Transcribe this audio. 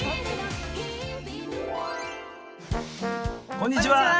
こんにちは！